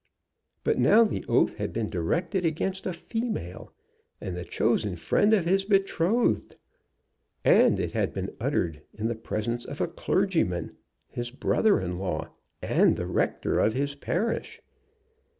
But now the oath had been directed against a female, and the chosen friend of his betrothed. And it had been uttered in the presence of a clergyman, his brother in law, and the rector of his parish.